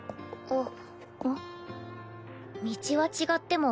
あっ。